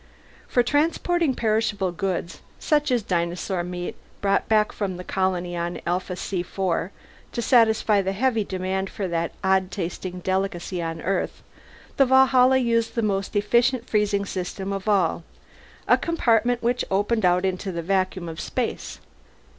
For transporting perishable goods such as the dinosaur meat brought back from the colony on Alpha C IV to satisfy the heavy demand for that odd tasting delicacy on Earth the Valhalla used the most efficient freezing system of all: a compartment which opened out into the vacuum of space.